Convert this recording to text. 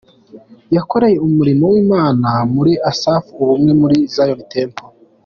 Yakoreye umurimo w’Imana muri Asaph Ubumwe muri Zion Temple.